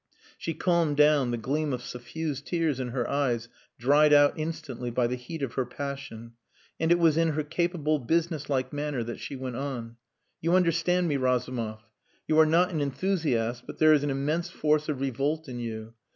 She calmed down, the gleam of suffused tears in her eyes dried out instantly by the heat of her passion, and it was in her capable, businesslike manner that she went on "You understand me, Razumov. You are not an enthusiast, but there is an immense force of revolt in you.